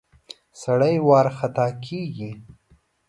سړی ورخطا کېږي.